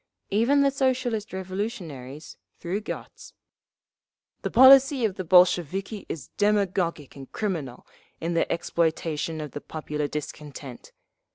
Even the Socialist Revolutionaries, through Gotz: "The policy of the Bolsheviki is demagogic and criminal, in their exploitation of the popular discontent.